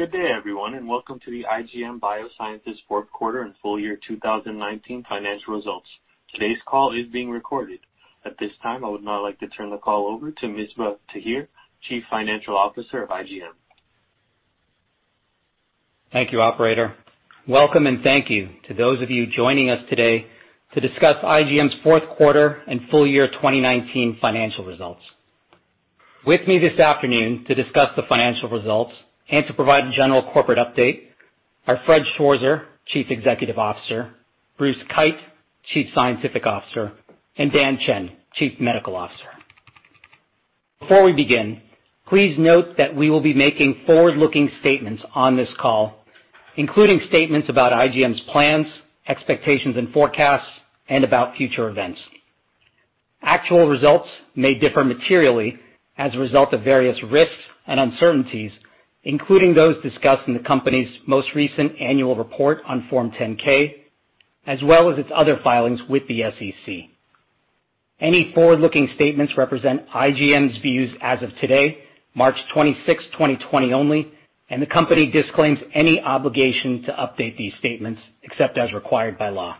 Good day everyone, and welcome to the IGM Biosciences fourth quarter and full year 2019 financial results. Today's call is being recorded. At this time, I would now like to turn the call over to Misbah Tahir, Chief Financial Officer of IGM. Thank you, operator. Welcome and thank you to those of you joining us today to discuss IGM's fourth quarter and full year 2019 financial results. With me this afternoon to discuss the financial results and to provide a general corporate update are Fred Schwarzer, Chief Executive Officer, Bruce Keyt, Chief Scientific Officer, and Dan Chen, Chief Medical Officer. Before we begin, please note that we will be making forward-looking statements on this call, including statements about IGM's plans, expectations, and forecasts, and about future events. Actual results may differ materially as a result of various risks and uncertainties, including those discussed in the company's most recent annual report on Form 10-K, as well as its other filings with the SEC. Any forward-looking statements represent IGM's views as of today, March 26th, 2020, only. The company disclaims any obligation to update these statements except as required by law.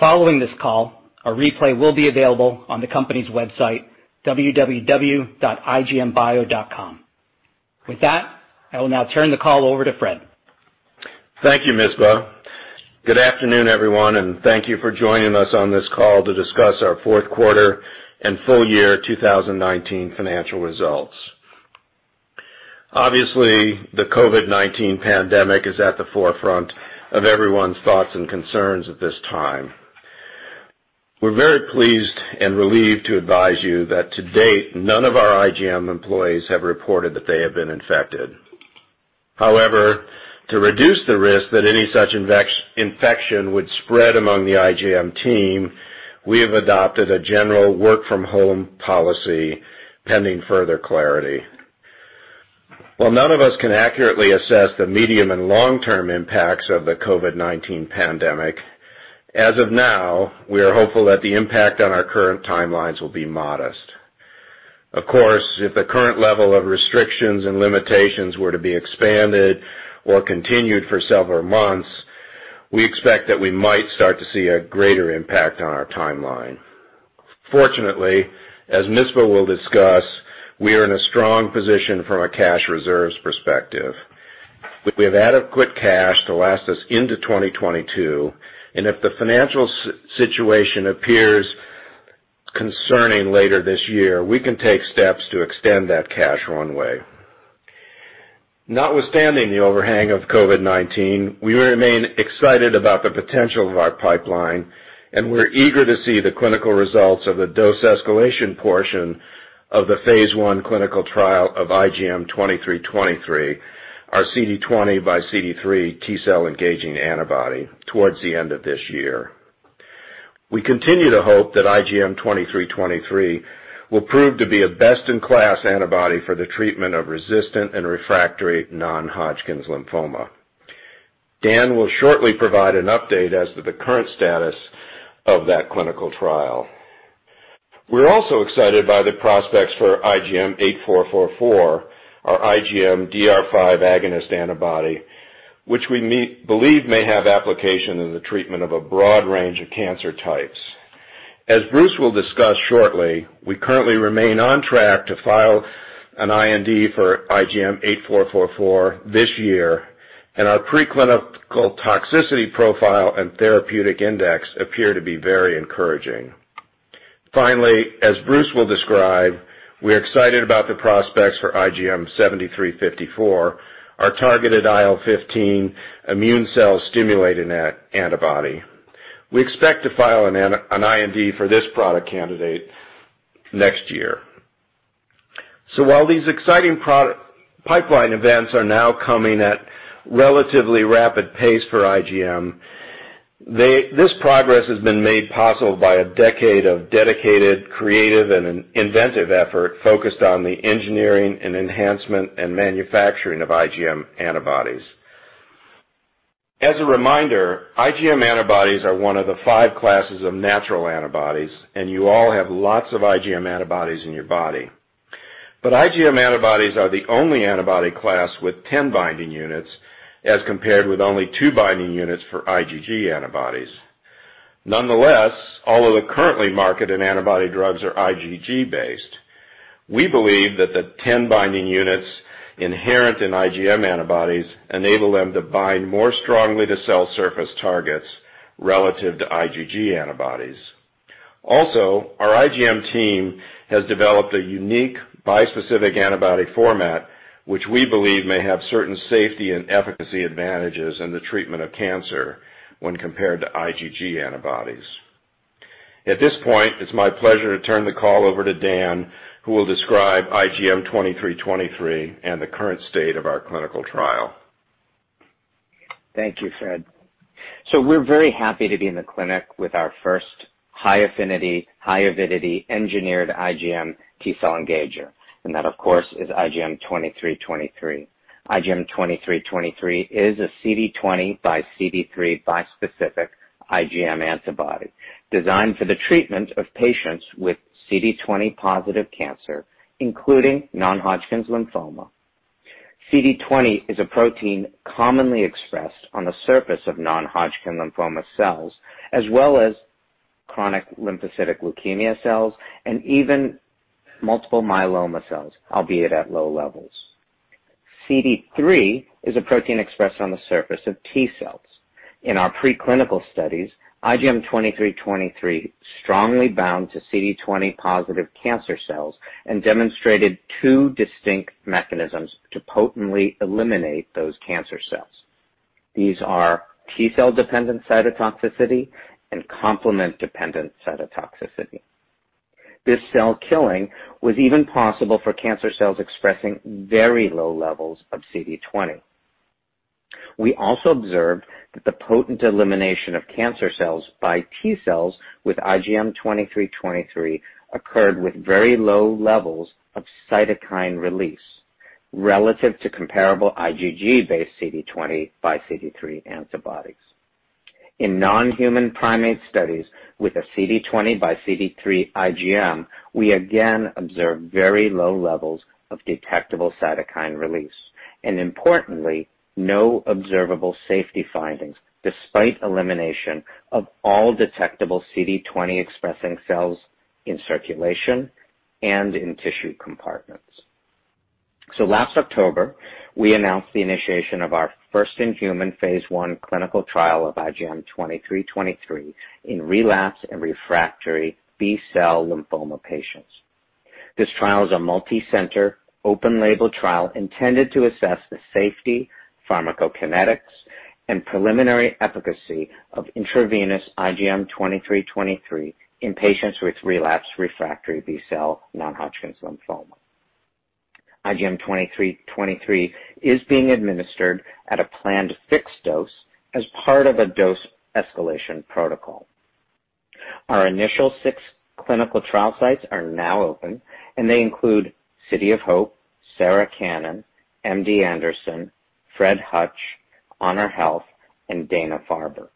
Following this call, a replay will be available on the company's website, www.igmbio.com. With that, I will now turn the call over to Fred. Thank you, Misbah. Good afternoon everyone, thank you for joining us on this call to discuss our fourth quarter and full year 2019 financial results. Obviously, the COVID-19 pandemic is at the forefront of everyone's thoughts and concerns at this time. We're very pleased and relieved to advise you that to date, none of our IGM employees have reported that they have been infected. However, to reduce the risk that any such infection would spread among the IGM team, we have adopted a general work-from-home policy, pending further clarity. While none of us can accurately assess the medium and long-term impacts of the COVID-19 pandemic, as of now, we are hopeful that the impact on our current timelines will be modest. Of course, if the current level of restrictions and limitations were to be expanded or continued for several months, we expect that we might start to see a greater impact on our timeline. Fortunately, as Misbah will discuss, we are in a strong position from a cash reserves perspective. We have adequate cash to last us into 2022, and if the financial situation appears concerning later this year, we can take steps to extend that cash runway. Not withstanding the overhang of COVID-19, we remain excited about the potential of our pipeline, and we're eager to see the clinical results of the dose escalation portion of the phase I clinical trial of IGM-2323, our CD20 x CD3 T-cell engaging antibody towards the end of this year. We continue to hope that IGM-2323 will prove to be a best-in-class antibody for the treatment of resistant and refractory non-Hodgkin's lymphoma. Dan will shortly provide an update as to the current status of that clinical trial. We're also excited by the prospects for IGM-8444, our IGM DR5 agonist antibody, which we believe may have application in the treatment of a broad range of cancer types. As Bruce will discuss shortly, we currently remain on track to file an IND for IGM-8444 this year, and our preclinical toxicity profile and therapeutic index appear to be very encouraging. Finally, as Bruce will describe, we're excited about the prospects for IGM-7354, our targeted IL-15 immune cell stimulating antibody. We expect to file an IND for this product candidate next year. While these exciting pipeline events are now coming at relatively rapid pace for IGM, this progress has been made possible by a decade of dedicated, creative and inventive effort focused on the engineering and enhancement and manufacturing of IgM antibodies. As a reminder, IgM antibodies are one of the five classes of natural antibodies, and you all have lots of IgM antibodies in your body. IgM antibodies are the only antibody class with 10 binding units, as compared with only two binding units for IgG antibodies. Nonetheless, all of the currently marketed antibody drugs are IgG based. We believe that the 10 binding units inherent in IgM antibodies enable them to bind more strongly to cell surface targets relative to IgG antibodies. Also, our IGM team has developed a unique bispecific antibody format, which we believe may have certain safety and efficacy advantages in the treatment of cancer when compared to IgG antibodies. At this point, it's my pleasure to turn the call over to Dan, who will describe IGM-2323 and the current state of our clinical trial. Thank you, Fred. We're very happy to be in the clinic with our first high-affinity, high-avidity engineered IgM T-cell engager, and that, of course, is IGM-2323. IGM-2323 is a CD20 x CD3 bispecific IgM antibody designed for the treatment of patients with CD20-positive cancer, including non-Hodgkin's lymphoma. CD20 is a protein commonly expressed on the surface of non-Hodgkin's lymphoma cells, as well as chronic lymphocytic leukemia cells and even multiple myeloma cells, albeit at low levels. CD3 is a protein expressed on the surface of T cells. In our preclinical studies, IGM-2323 strongly bound to CD20-positive cancer cells and demonstrated two distinct mechanisms to potently eliminate those cancer cells. These are T cell-dependent cytotoxicity and complement-dependent cytotoxicity. This cell killing was even possible for cancer cells expressing very low levels of CD20. We also observed that the potent elimination of cancer cells by T cells with IGM-2323 occurred with very low levels of cytokine release relative to comparable IgG-based CD20 x CD3 antibodies. In non-human primate studies with a CD20 x CD3 IgM, we again observed very low levels of detectable cytokine release, and importantly, no observable safety findings despite elimination of all detectable CD20-expressing cells in circulation and in tissue compartments. Last October, we announced the initiation of our first human phase I clinical trial of IGM-2323 in relapse and refractory B cell lymphoma patients. This trial is a multicenter, open-label trial intended to assess the safety, pharmacokinetics, and preliminary efficacy of intravenous IGM-2323 in patients with relapse refractory B-cell non-Hodgkin's lymphoma. IGM-2323 is being administered at a planned fixed dose as part of a dose escalation protocol. Our initial six clinical trial sites are now open, and they include City of Hope, Sarah Cannon, MD Anderson, Fred Hutch, HonorHealth, and Dana-Farber.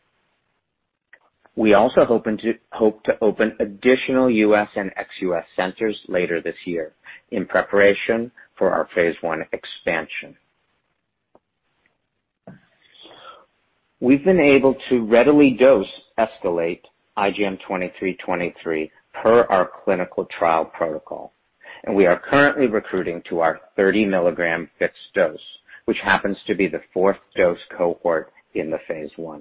We also hope to open additional U.S. and ex-U.S. centers later this year in preparation for our phase I expansion. We've been able to readily dose escalate IGM-2323 per our clinical trial protocol, and we are currently recruiting to our 30 mg fixed dose, which happens to be the fourth dose cohort in the phase I.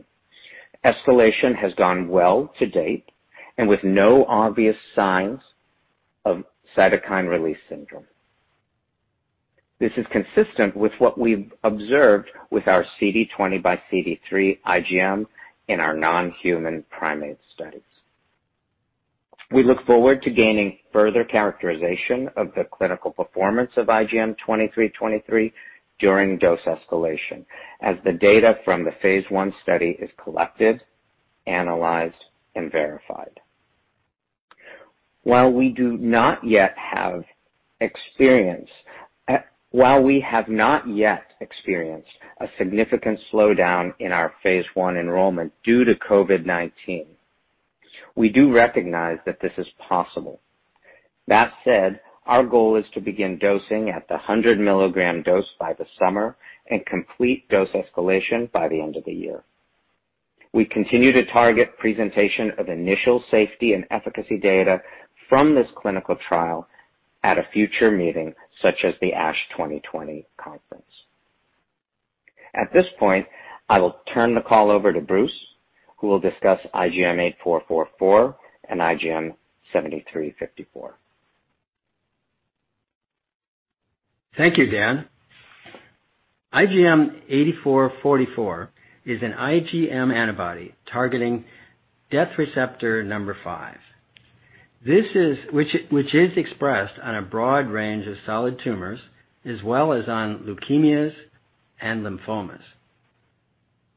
Escalation has gone well to date, and with no obvious signs of cytokine release syndrome. This is consistent with what we've observed with our CD20 × CD3 IgM in our non-human primate studies. We look forward to gaining further characterization of the clinical performance of IGM-2323 during dose escalation as the data from the phase I study is collected, analyzed, and verified. While we have not yet experienced a significant slowdown in our phase I enrollment due to COVID-19, we do recognize that this is possible. Our goal is to begin dosing at the 100 mg dose by the summer and complete dose escalation by the end of the year. We continue to target presentation of initial safety and efficacy data from this clinical trial at a future meeting such as the ASH 2020 conference. At this point, I will turn the call over to Bruce, who will discuss IGM-8444 and IGM-7354. Thank you, Dan. IGM-8444 is an IgM antibody targeting Death Receptor 5, which is expressed on a broad range of solid tumors as well as on leukemias and lymphomas.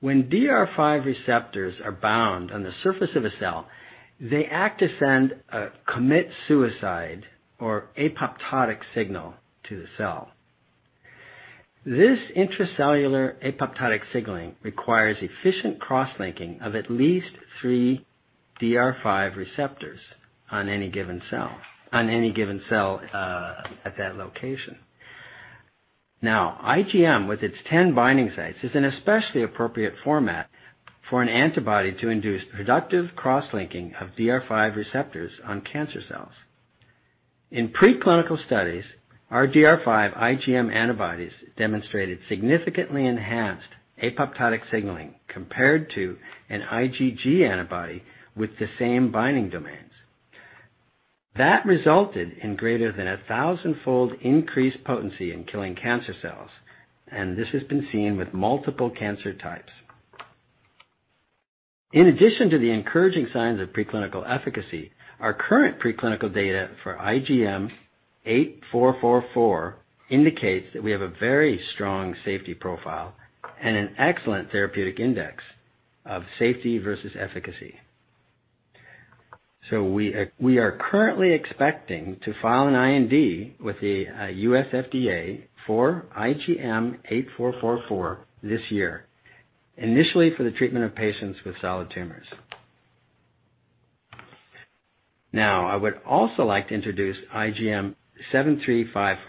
When DR5 receptors are bound on the surface of a cell, they act to send a commit suicide or apoptotic signal to the cell. This intracellular apoptotic signaling requires efficient cross-linking of at least three DR5 receptors on any given cell at that location. IGM, with its 10 binding sites, is an especially appropriate format for an antibody to induce productive cross-linking of DR5 receptors on cancer cells. In preclinical studies, our DR5 IgM antibodies demonstrated significantly enhanced apoptotic signaling compared to an IgG antibody with the same binding domains. That resulted in greater than 1,000-fold increased potency in killing cancer cells, and this has been seen with multiple cancer types. In addition to the encouraging signs of preclinical efficacy, our current preclinical data for IGM-8444 indicates that we have a very strong safety profile and an excellent therapeutic index of safety versus efficacy. We are currently expecting to file an IND with the U.S. FDA for IGM-8444 this year, initially for the treatment of patients with solid tumors. I would also like to introduce IGM-7354,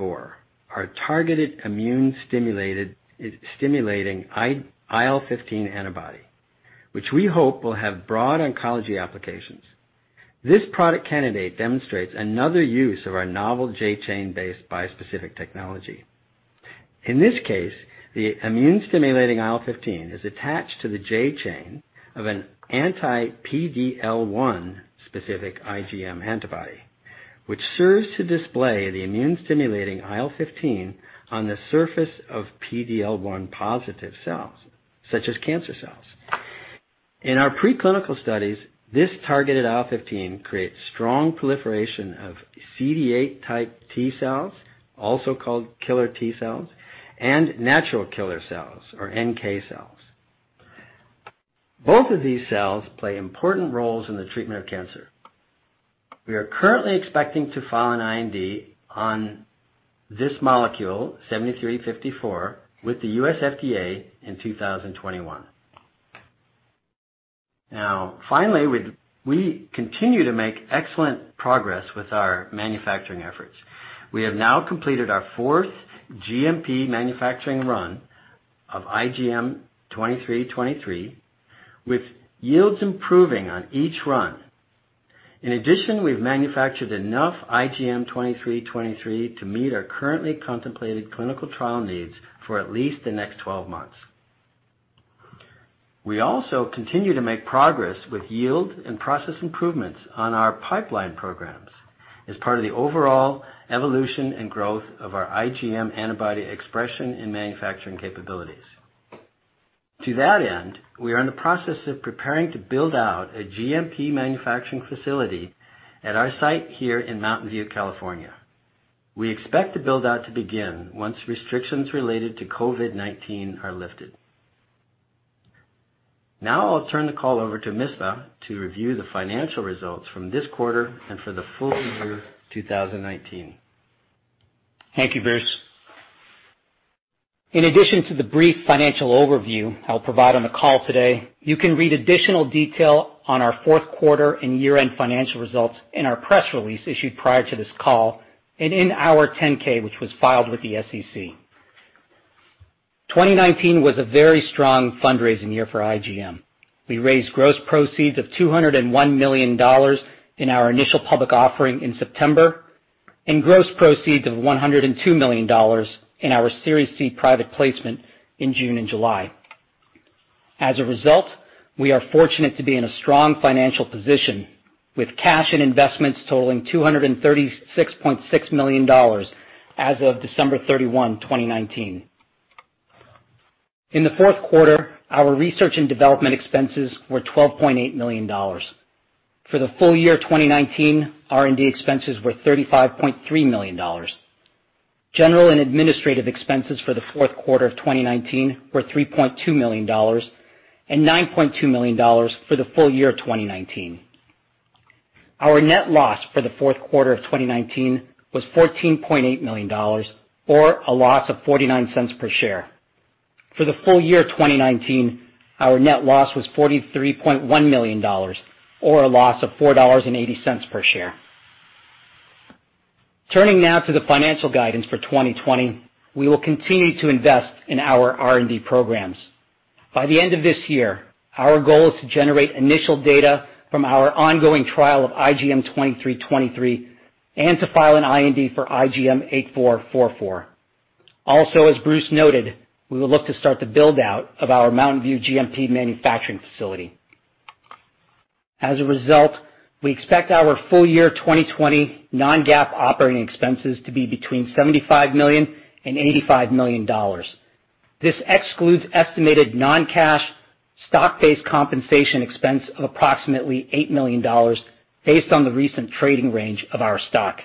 our targeted immune-stimulating IL-15 antibody, which we hope will have broad oncology applications. This product candidate demonstrates another use of our novel J-chain based bispecific technology. In this case, the immune-stimulating IL-15 is attached to the J-chain of an anti-PD-L1 specific IgM antibody, which serves to display the immune-stimulating IL-15 on the surface of PD-L1 positive cells, such as cancer cells. In our preclinical studies, this targeted IL-15 creates strong proliferation of CD8+ type T cells, also called killer T cells and natural killer cells or NK cells. Both of these cells play important roles in the treatment of cancer. We are currently expecting to file an IND on this molecule, 7354, with the U.S. FDA in 2021. Finally, we continue to make excellent progress with our manufacturing efforts. We have now completed our fourth GMP manufacturing run of IGM-2323, with yields improving on each run. We've manufactured enough IGM-2323 to meet our currently contemplated clinical trial needs for at least the next 12 months. We also continue to make progress with yield and process improvements on our pipeline programs as part of the overall evolution and growth of our IGM antibody expression in manufacturing capabilities. To that end, we are in the process of preparing to build out a GMP manufacturing facility at our site here in Mountain View, California. We expect the build-out to begin once restrictions related to COVID-19 are lifted. I'll turn the call over to Misbah to review the financial results from this quarter and for the full year 2019. Thank you, Bruce. In addition to the brief financial overview I'll provide on the call today, you can read additional detail on our fourth quarter and year-end financial results in our press release issued prior to this call and in our 10-K, which was filed with the SEC. 2019 was a very strong fundraising year for IGM. We raised gross proceeds of $201 million in our initial public offering in September, and gross proceeds of $102 million in our Series C private placement in June and July. As a result, we are fortunate to be in a strong financial position with cash and investments totaling $236.6 million as of December 31, 2019. In the fourth quarter, our research and development expenses were $12.8 million. For the full year 2019, R&D expenses were $35.3 million. General and administrative expenses for the fourth quarter of 2019 were $3.2 million and $9.2 million for the full year 2019. Our net loss for the fourth quarter of 2019 was $14.8 million, or a loss of $0.49 per share. For the full year 2019, our net loss was $43.1 million, or a loss of $4.80 per share. Turning now to the financial guidance for 2020, we will continue to invest in our R&D programs. By the end of this year, our goal is to generate initial data from our ongoing trial of IGM-2323 and to file an IND for IGM-8444. Also, as Bruce noted, we will look to start the build-out of our Mountain View GMP manufacturing facility. As a result, we expect our full year 2020 non-GAAP operating expenses to be between $75 million and $85 million. This excludes estimated non-cash stock-based compensation expense of approximately $8 million based on the recent trading range of our stock.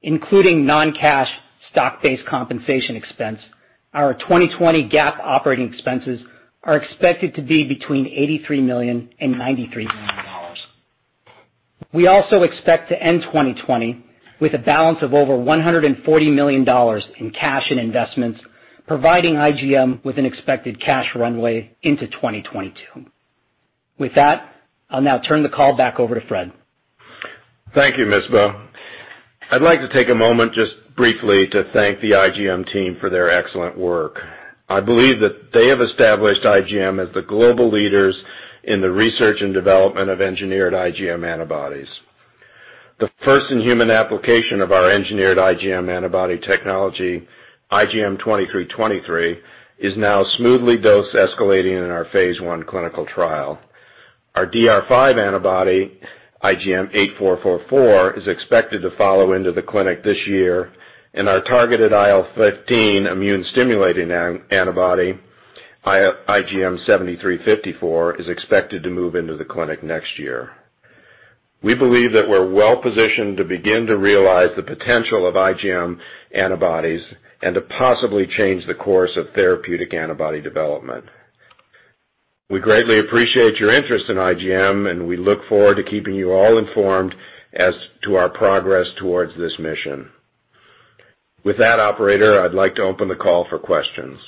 Including non-cash stock-based compensation expense, our 2020 GAAP operating expenses are expected to be between $83 million and $93 million. We also expect to end 2020 with a balance of over $140 million in cash and investments, providing IGM with an expected cash runway into 2022. With that, I'll now turn the call back over to Fred. Thank you, Misbah. I'd like to take a moment just briefly to thank the IGM team for their excellent work. I believe that they have established IGM as the global leaders in the research and development of engineered IgM antibodies. The first in-human application of our engineered IgM antibody technology, IGM-2323, is now smoothly dose escalating in our phase I clinical trial. Our DR5 antibody, IGM-8444, is expected to follow into the clinic this year and our targeted IL-15 immune-stimulating antibody, IGM-7354, is expected to move into the clinic next year. We believe that we're well positioned to begin to realize the potential of IgM antibodies and to possibly change the course of therapeutic antibody development. We greatly appreciate your interest in IGM, we look forward to keeping you all informed as to our progress towards this mission. With that, operator, I'd like to open the call for questions.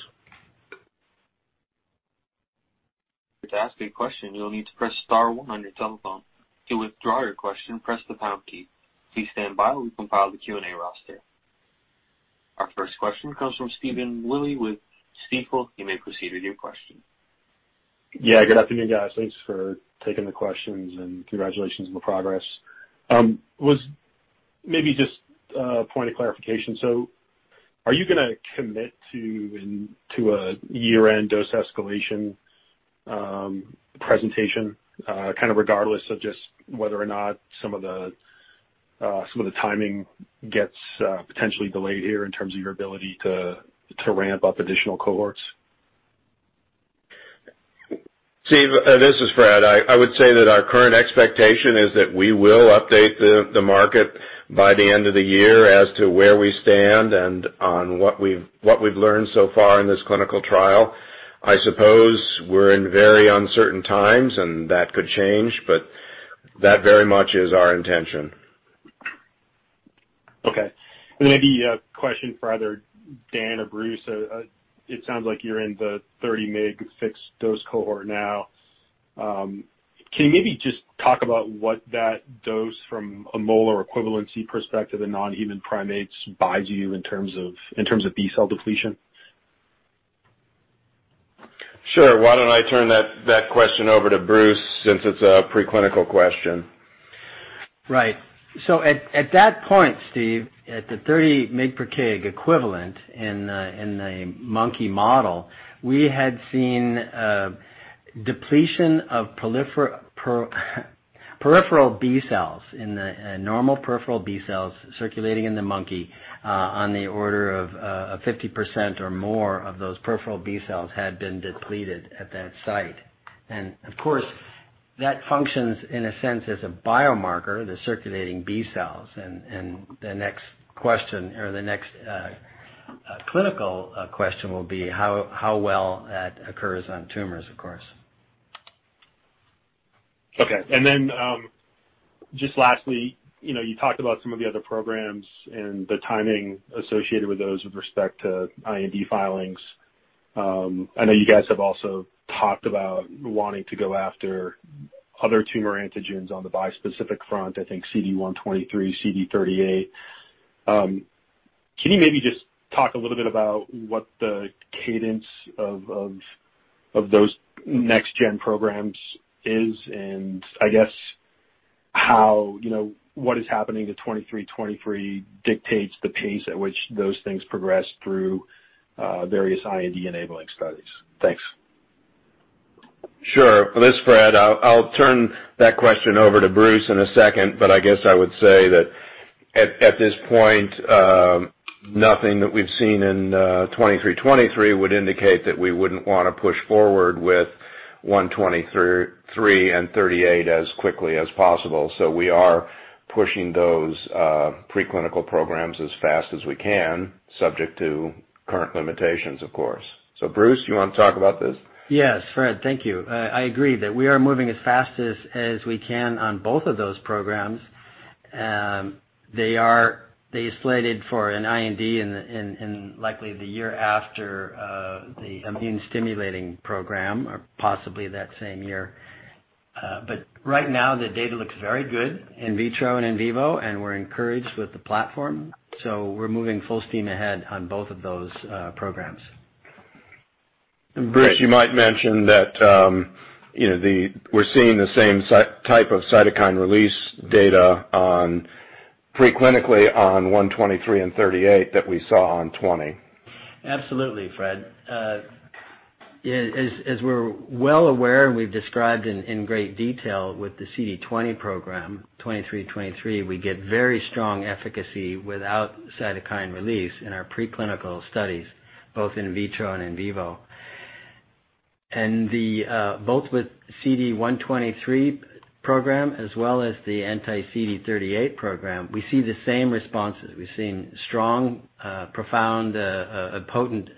To ask a question, you'll need to press star one on your telephone. To withdraw your question, press the pound key. Please stand by while we compile the Q&A roster. Our first question comes from Stephen Willey with Stifel. You may proceed with your question. Good afternoon, guys. Thanks for taking the questions, and congratulations on the progress. Was maybe just a point of clarification. Are you going to commit to a year-end dose escalation presentation, kind of regardless of just whether or not some of the timing gets potentially delayed here in terms of your ability to ramp up additional cohorts? Steve, this is Fred. I would say that our current expectation is that we will update the market by the end of the year as to where we stand and on what we've learned so far in this clinical trial. I suppose we're in very uncertain times, and that could change, but that very much is our intention. Okay. Maybe a question for either Dan or Bruce. It sounds like you're in the 30 mg fixed dose cohort now. Can you maybe just talk about what that dose from a molar equivalency perspective in non-human primates buys you in terms of B cell depletion? Sure. Why don't I turn that question over to Bruce since it's a preclinical question. Right. At that point, Steve, at the 30 mg per kg equivalent in the monkey model, we had seen a depletion of peripheral B cells in the normal peripheral B cells circulating in the monkey on the order of 50% or more of those peripheral B cells had been depleted at that site. Of course, that functions in a sense as a biomarker, the circulating B cells. The next question or the next clinical question will be how well that occurs on tumors, of course. Okay. Just lastly, you talked about some of the other programs and the timing associated with those with respect to IND filings. I know you guys have also talked about wanting to go after other tumor antigens on the bispecific front, I think CD123, CD38. Can you maybe just talk a little bit about what the cadence of those next gen programs is, and I guess how what is happening to IGM-2323 dictates the pace at which those things progress through various IND-enabling studies? Thanks. Sure. This is Fred. I'll turn that question over to Bruce in a second, but I guess I would say that at this point, nothing that we've seen in IGM-2323 would indicate that we wouldn't want to push forward with CD123 and CD38 as quickly as possible. We are pushing those preclinical programs as fast as we can, subject to current limitations, of course. Bruce, you want to talk about this? Yes, Fred. Thank you. I agree that we are moving as fast as we can on both of those programs. They slated for an IND in likely the year after the immune-stimulating program or possibly that same year. Right now the data looks very good in vitro and in vivo, and we're encouraged with the platform. We're moving full steam ahead on both of those programs. Bruce, you might mention that we're seeing the same type of cytokine release data preclinically on CD123 and CD38 that we saw on CD20. Absolutely, Fred. As we're well aware and we've described in great detail with the CD20 program, IGM-2323, we get very strong efficacy without cytokine release in our preclinical studies, both in vitro and in vivo. Both with CD123 program as well as the anti-CD38 program, we see the same responses. We're seeing strong, profound, potent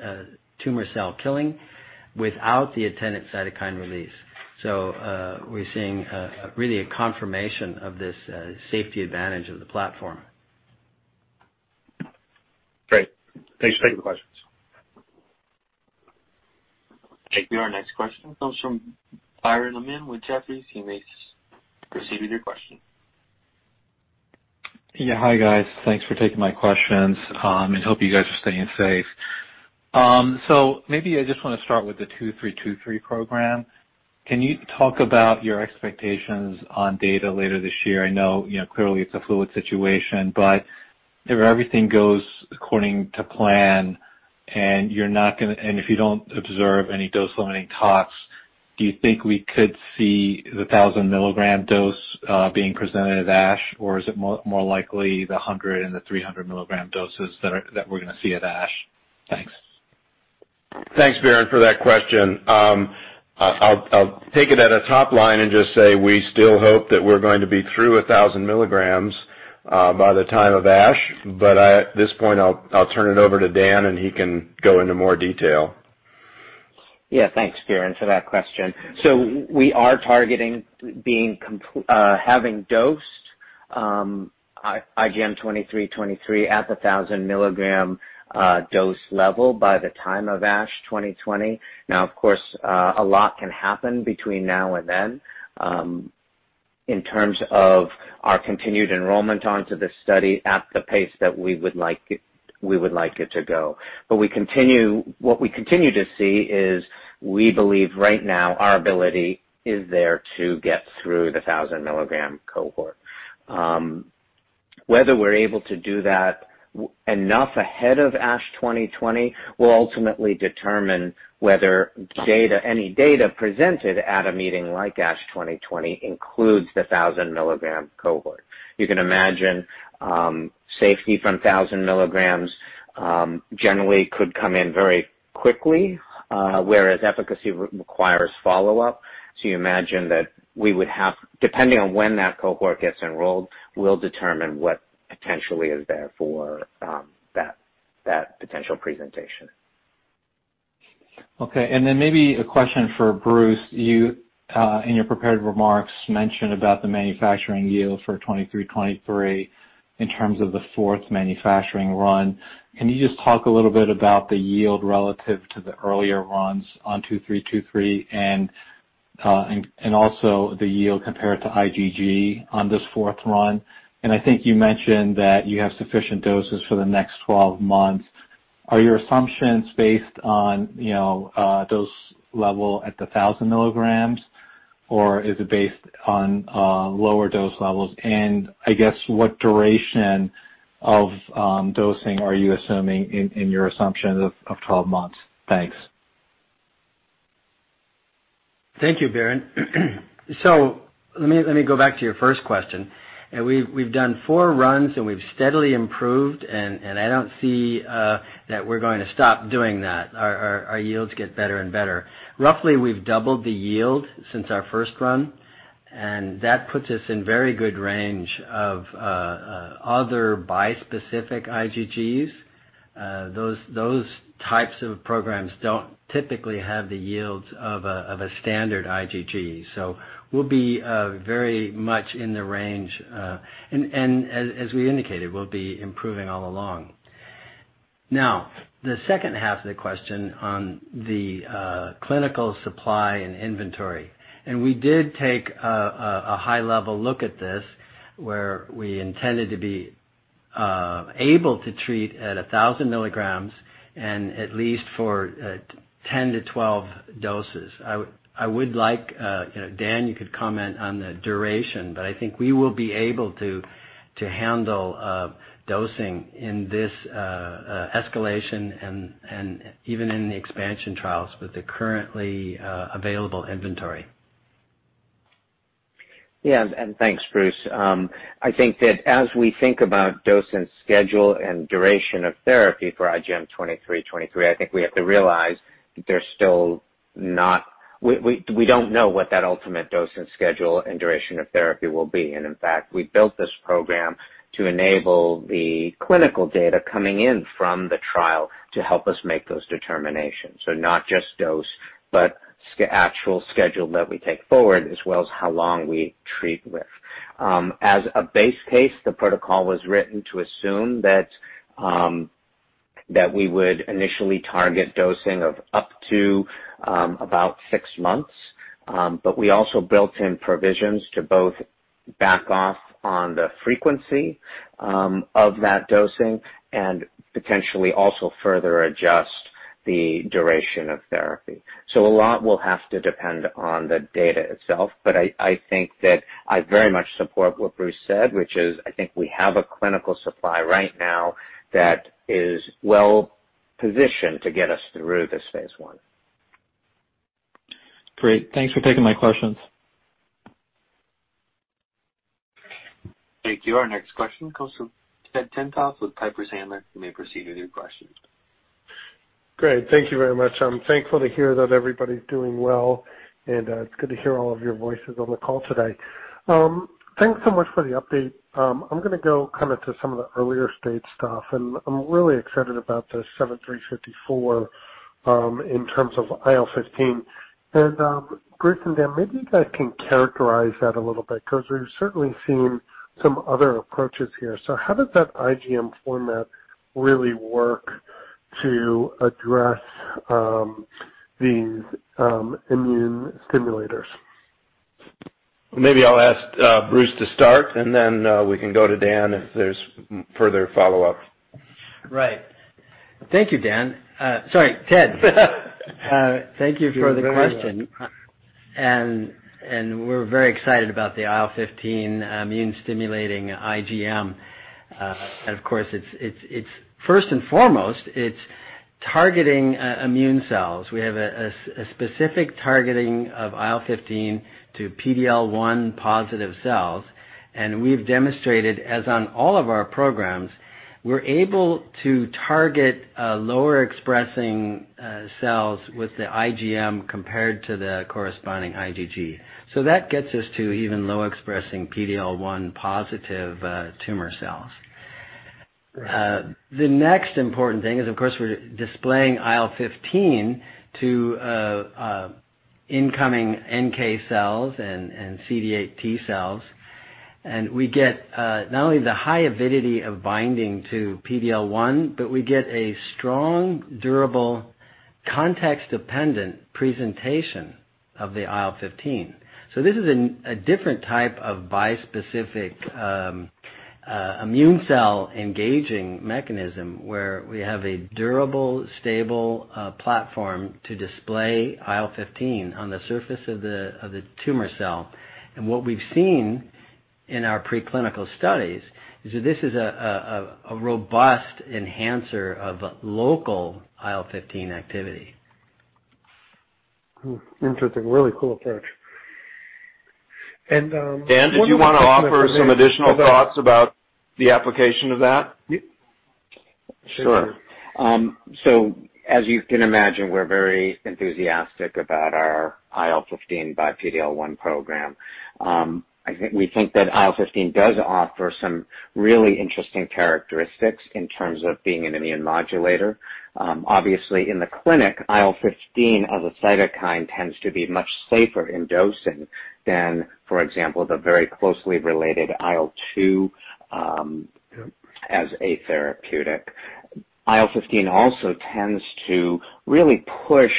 tumor cell killing without the attendant cytokine release. We're seeing really a confirmation of this safety advantage of the platform. Great. Thanks for taking the questions. Thank you. Our next question comes from Biren Amin with Jefferies. You may proceed with your question. Yeah. Hi, guys. Thanks for taking my questions, and hope you guys are staying safe. Maybe I just want to start with the IGM-2323 program. Can you talk about your expectations on data later this year? I know clearly it's a fluid situation, but if everything goes according to plan and if you don't observe any dose-limiting tox, do you think we could see the 1,000 mg dose being presented at ASH, or is it more likely the 100 mg and the 300 mg doses that we're going to see at ASH? Thanks. Thanks, Biren, for that question. I'll take it at a top line and just say we still hope that we're going to be through 1,000 mg by the time of ASH. At this point, I'll turn it over to Daniel, and he can go into more detail. Thanks, Biren, for that question. We are targeting having dosed IGM-2323 at the 1,000 mg dose level by the time of ASH 2020. Of course, a lot can happen between now and then in terms of our continued enrollment onto this study at the pace that we would like it to go. What we continue to see is, we believe right now our ability is there to get through the 1,000 mg cohort. Whether we're able to do that enough ahead of ASH 2020 will ultimately determine whether any data presented at a meeting like ASH 2020 includes the 1,000 mg cohort. You can imagine safety from 1,000 mg generally could come in very quickly, whereas efficacy requires follow-up. You imagine that we would have, depending on when that cohort gets enrolled, will determine what potentially is there for that potential presentation. Maybe a question for Bruce. You, in your prepared remarks, mentioned about the manufacturing yield for IGM-2323 in terms of the fourth manufacturing run. Can you just talk a little bit about the yield relative to the earlier runs on IGM-2323 and also the yield compared to IgG on this fourth run? I think you mentioned that you have sufficient doses for the next 12 months. Are your assumptions based on dose level at the 1,000 mg, or is it based on lower dose levels? I guess, what duration of dosing are you assuming in your assumptions of 12 months? Thanks. Thank you, Biren. Let me go back to your first question. We've done four runs, and we've steadily improved, and I don't see that we're going to stop doing that. Our yields get better and better. Roughly, we've doubled the yield since our first run, and that puts us in very good range of other bispecific IgGs. Those types of programs don't typically have the yields of a standard IgG. We'll be very much in the range. As we indicated, we'll be improving all along. The second half of the question on the clinical supply and inventory, and we did take a high-level look at this, where we intended to be able to treat at 1,000 mg and at least for 10 doses-12 doses. I would like Dan, you could comment on the duration, but I think we will be able to handle dosing in this escalation and even in the expansion trials with the currently available inventory. Yeah, thanks, Bruce. I think that as we think about dose and schedule and duration of therapy for IGM-2323, I think we have to realize that we don't know what that ultimate dose and schedule and duration of therapy will be. In fact, we built this program to enable the clinical data coming in from the trial to help us make those determinations. Not just dose, but actual schedule that we take forward, as well as how long we treat with. As a base case, the protocol was written to assume that we would initially target dosing of up to about six months. We also built in provisions to both back off on the frequency of that dosing and potentially also further adjust the duration of therapy. A lot will have to depend on the data itself, but I think that I very much support what Bruce said, which is, I think we have a clinical supply right now that is well-positioned to get us through this phase I. Great. Thanks for taking my questions. Thank you. Our next question comes from Ted Tenthoff with Piper Sandler. You may proceed with your question. Great. Thank you very much. I'm thankful to hear that everybody's doing well, and it's good to hear all of your voices on the call today. Thanks so much for the update. I'm going to go to some of the earlier-stage stuff. I'm really excited about the IGM-7354 in terms of IL-15. Bruce and Dan, maybe you guys can characterize that a little bit, because we've certainly seen some other approaches here. How does that IGM format really work to address these immune stimulators? Maybe I'll ask Bruce to start, and then we can go to Dan if there's further follow-up. Right. Thank you, Dan. Sorry, Ted. Thank you for the question. You're very welcome. We're very excited about the IL-15 immune-stimulating IgM. Of course, first and foremost, it's targeting immune cells. We have a specific targeting of IL-15 to PD-L1 positive cells, and we've demonstrated, as on all of our programs, we're able to target lower-expressing cells with the IgM compared to the corresponding IgG. That gets us to even low-expressing PD-L1 positive tumor cells. The next important thing is, of course, we're displaying IL-15 to incoming NK cells and CD8+ T cells. We get not only the high avidity of binding to PD-L1, but we get a strong, durable context-dependent presentation of the IL-15. This is a different type of bispecific immune cell engaging mechanism where we have a durable, stable platform to display IL-15 on the surface of the tumor cell. What we've seen in our preclinical studies is that this is a robust enhancer of local IL-15 activity. Interesting. Really cool approach. One more- Dan, did you want to offer some additional thoughts about the application of that? Sure. As you can imagine, we're very enthusiastic about our IL-15 by PD-L1 program. We think that IL-15 does offer some really interesting characteristics in terms of being an immune modulator. Obviously, in the clinic, IL-15 as a cytokine tends to be much safer in dosing than, for example, the very closely related IL-2 as a therapuetic. IL-15 also tends to really push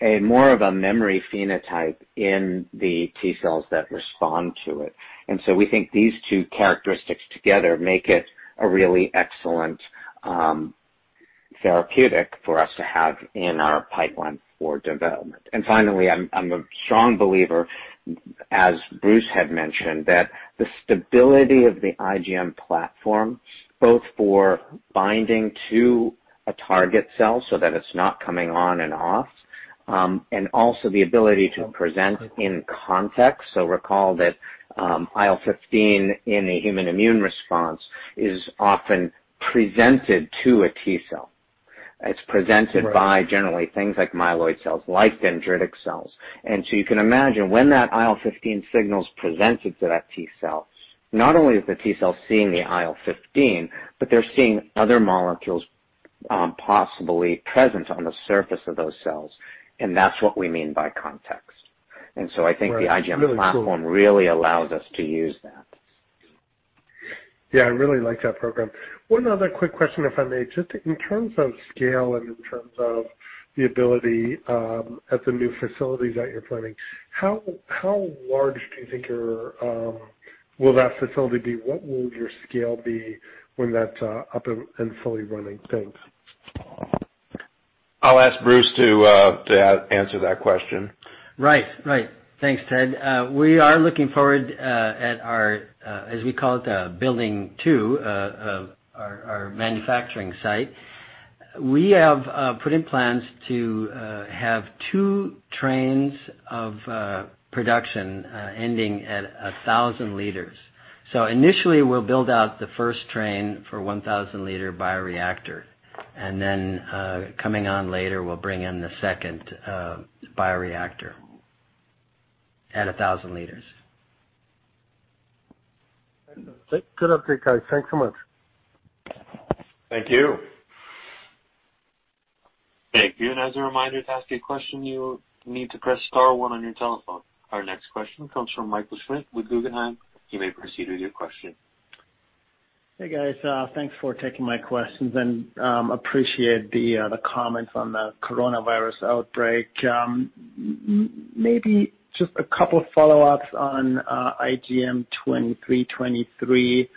a more of a memory phenotype in the T cells that respond to it. We think these two characteristics together make it a really excellent therapeutic for us to have in our pipeline for development. Finally, I'm a strong believer, as Bruce had mentioned, that the stability of the IGM platform, both for binding to a target cell so that it's not coming on and off, and also the ability to present in context. Recall that IL-15 in a human immune response is often presented to a T cell. It's presented by, generally things like myeloid cells, like dendritic cells. You can imagine when that IL-15 signal's presented to that T cell, not only is the T cell seeing the IL-15, but they're seeing other molecules possibly present on the surface of those cells, and that's what we mean by context. Right. Really cool. I think the IGM platform really allows us to use that. Yeah, I really like that program. One other quick question, if I may. Just in terms of scale and in terms of the ability at the new facilities that you're planning, how large do you think will that facility be? What will your scale be when that's up and fully running? Thanks. I'll ask Bruce to answer that question. Right. Thanks, Ted. We are looking forward at our, as we call it, building two, our manufacturing site. We have put in plans to have two trains of production ending at 1,000 L Initially, we'll build out the first train for 1,000 L bioreactor, and then coming on later, we'll bring in the second bioreactor at 1,000 L. Excellent. Good update, guys. Thanks so much. Thank you. Thank you. As a reminder, to ask a question, you need to press star one on your telephone. Our next question comes from Michael Schmidt with Guggenheim. You may proceed with your question. Hey, guys. Thanks for taking my questions and appreciate the comments on the coronavirus outbreak. Maybe just a couple of follow-ups on IGM-2323.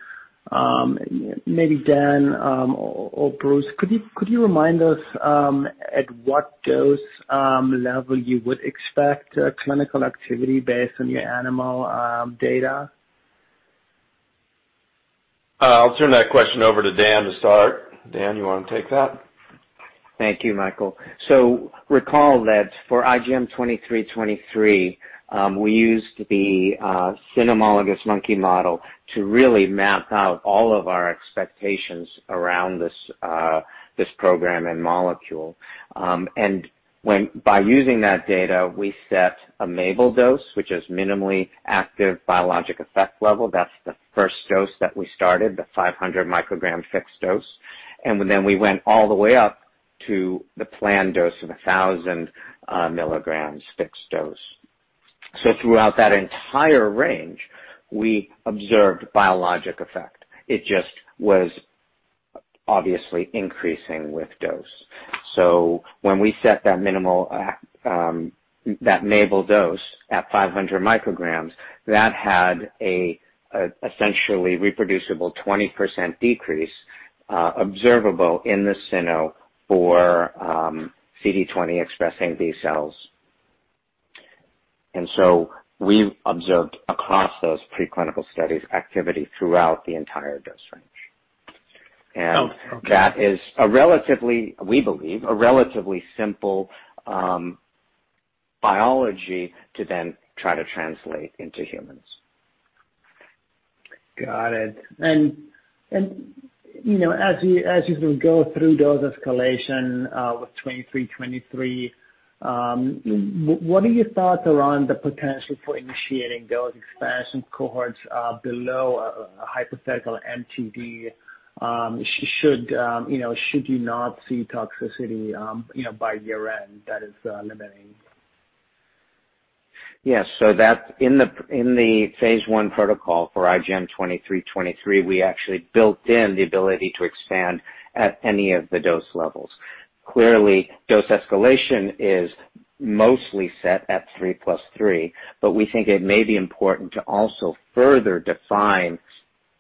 Maybe Dan or Bruce, could you remind us at what dose level you would expect clinical activity based on your animal data? I'll turn that question over to Dan to start. Dan, you want to take that? Thank you, Michael. Recall that for IGM-2323, we used the cynomolgus monkey model to really map out all of our expectations around this program and molecule. By using that data, we set a MABEL dose, which is minimally active biologic effect level. That's the first dose that we started, the 500 mcg fixed dose. We went all the way up to the planned dose of 1,000 mg fixed dose. Throughout that entire range, we observed biologic effect. It just was obviously increasing with dose. When we set that MABEL dose at 500 mcg, that had a essentially reproducible 20% decrease observable in the cyno for CD20 expressing B cells. We observed across those preclinical studies activity throughout the entire dose range. Okay. That is, we believe, a relatively simple biology to then try to translate into humans. Got it. As you go through dose escalation with IGM-2323, what are your thoughts around the potential for initiating dose expansion cohorts below a hypothetical MTD should you not see toxicity by year-end that is limiting? Yes. In the phase I protocol for IGM-2323, we actually built in the ability to expand at any of the dose levels. Clearly, dose escalation is mostly set at 3 mg + 3 mg, but we think it may be important to also further define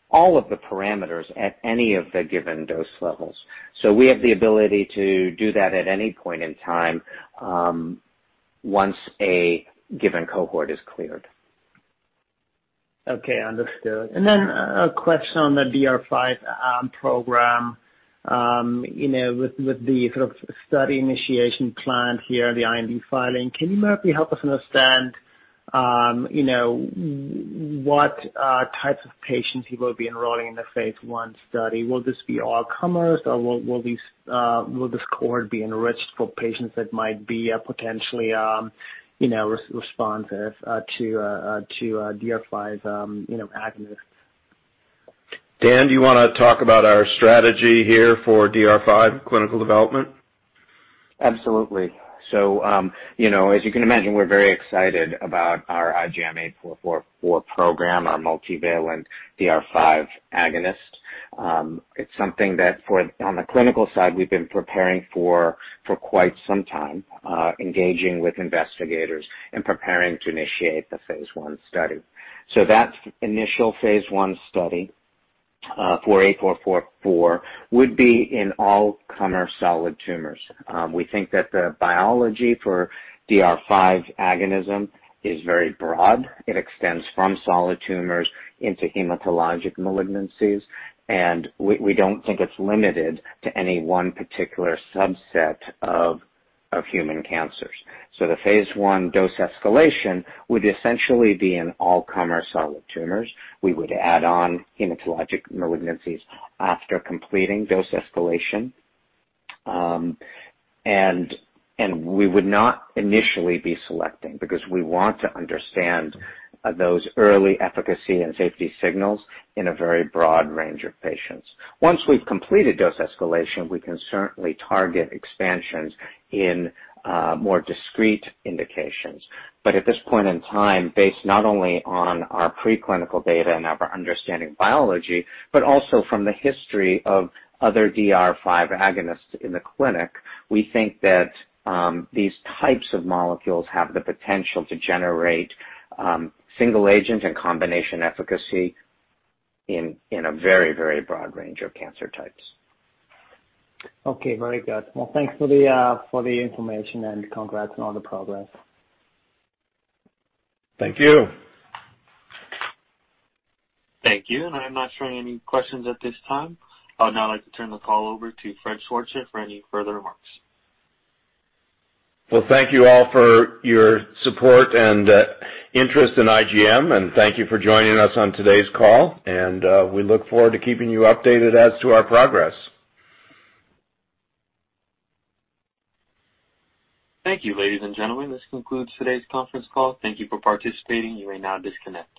all of the parameters at any of the given dose levels. We have the ability to do that at any point in time, once a given cohort is cleared. Okay, understood. A question on the DR5 program. With the sort of study initiation plan here, the IND filing, can you maybe help us understand what types of patients you will be enrolling in the phase I study? Will this be all comers, or will this cohort be enriched for patients that might be potentially responsive to DR5 agonists? Dan, do you want to talk about our strategy here for DR5 clinical development? Absolutely. As you can imagine, we're very excited about our IGM-8444 program, our multivalent DR5 agonist. It's something that on the clinical side, we've been preparing for quite some time, engaging with investigators and preparing to initiate the phase I study. That initial phase I study for IGM-8444 would be in all comer solid tumors. We think that the biology for DR5 agonism is very broad. It extends from solid tumors into hematologic malignancies, and we don't think it's limited to any one particular subset of human cancers. The phase I dose escalation would essentially be in all comer solid tumors. We would add on hematologic malignancies after completing dose escalation. We would not initially be selecting, because we want to understand those early efficacy and safety signals in a very broad range of patients. Once we've completed dose escalation, we can certainly target expansions in more discrete indications. At this point in time, based not only on our preclinical data and our understanding of biology, but also from the history of other DR5 agonists in the clinic, we think that these types of molecules have the potential to generate single agent and combination efficacy in a very broad range of cancer types. Okay, very good. Well, thanks for the information and congrats on all the progress. Thank you. Thank you. I'm not showing any questions at this time. I would now like to turn the call over to Fred Schwarzer for any further remarks. Well, thank you all for your support and interest in IGM, and thank you for joining us on today's call, and we look forward to keeping you updated as to our progress. Thank you, ladies and gentlemen. This concludes today's conference call. Thank you for participating. You may now disconnect.